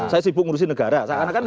saya sibuk ngurusin negara